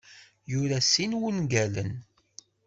Yura sin wungalen.